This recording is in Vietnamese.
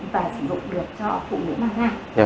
và sử dụng được cho phụ nữ mang ra